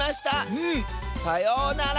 うん！さようなら！